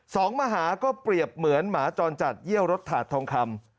สองมหาก็เปรียบเหมือนหมาจรจัดเยี่ยวรถถาดทองคำ